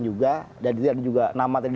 juga dan juga nama tadi